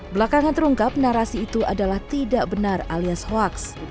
belakangan terungkap narasi itu adalah tidak benar alias hoax